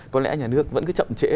có lẽ nhà nước vẫn cứ chậm trễ